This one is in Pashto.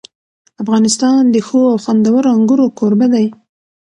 افغانستان د ښو او خوندورو انګورو کوربه دی.